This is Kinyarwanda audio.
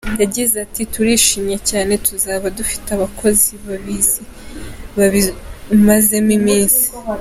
Yagize ati “Turishimye cyane tuzaba dufite abakozi babizi babimazemo iminsi.